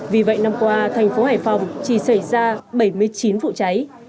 vì vậy năm qua thành phố hải phòng chỉ xảy ra bảy mươi chín vụ cháy